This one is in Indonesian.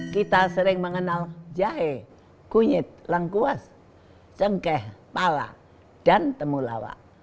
kita sering mengenal jahe kunyit lengkuas cengkeh pala dan temulawak